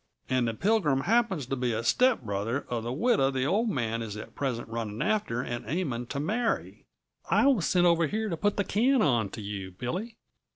"And the Pilgrim happens to be a stepbrother uh the widow the Old Man is at present running after, and aiming to marry. I was sent over here to put the can onto you, Billy.